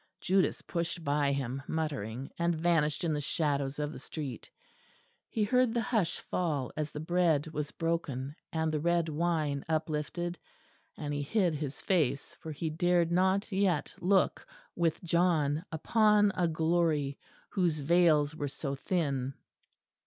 Judas pushed by him, muttering, and vanished in the shadows of the street. He heard the hush fall as the Bread was broken and the Red Wine uplifted; and he hid his face, for he dared not yet look with John upon a glory whose veils were so thin.